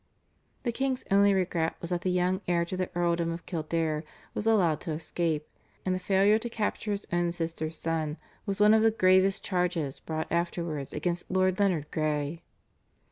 The king's only regret was that the young heir to the Earldom of Kildare was allowed to escape, and the failure to capture his own sister's son was one of the gravest charges brought afterwards against Lord Leonard Grey.